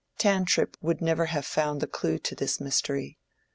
Tantripp would never have found the clew to this mystery.